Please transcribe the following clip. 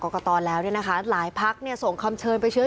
กตแล้วเนี่ยนะคะหลายพักเนี่ยส่งคำเชิญไปเชื้อ